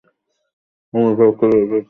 ওমর ফারুককে ধরে ফেলেছ?